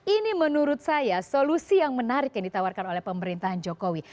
ini menurut saya solusi yang menarik yang ditawarkan oleh pemerintahan jokowi